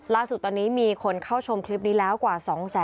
ล่าสุดตอนนี้มีคนเข้าชมคลิปนี้แล้วกว่า๒๐๐๐